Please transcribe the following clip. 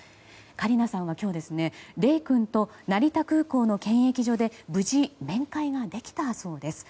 カリナさんは今日レイ君と成田空港の検疫所で無事、面会ができたそうです。